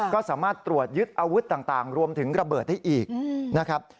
ก็สามารถตรวจยึดอาวุธต่างรวมถึงระเบิดได้อีกนะครับ